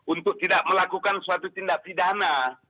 untuk tidak melakukan suatu tindak pidana